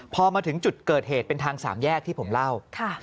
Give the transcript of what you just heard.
พอมาถึงจุดเกิดเหตุเป็นทางสามแยกที่ผมเล่า